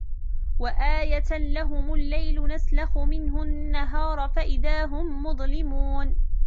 وآية لهم الليل نسلخ منه النهار فإذا هم مظلمون